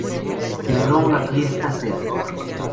Celebró una "fiesta Sed".